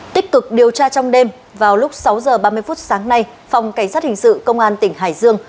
tích cực điều tra trong đêm vào lúc sáu h ba mươi phút sáng nay phòng cảnh sát hình sự công an tỉnh hải dương